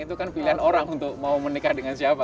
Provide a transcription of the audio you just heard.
itu kan pilihan orang untuk mau menikah dengan siapa